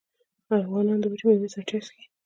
افغانان د وچې میوې سره چای څښي.